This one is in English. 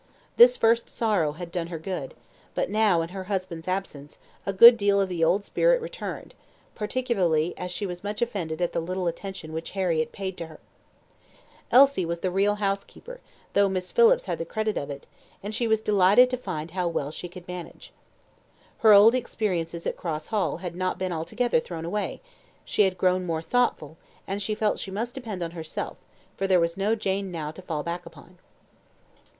This first sorrow had done her good; but now, in her husband's absence, a good deal of the old spirit returned, particularly as she was much offended at the little attention which Harriett paid to her. Elsie was the real housekeeper, though Miss Phillips had the credit of it, and she was delighted to find how well she could manage. Her old experiences at Cross Hall had not been altogether thrown away; she had grown more thoughtful, and she felt she must depend on herself, for there was no Jane now to fall back upon.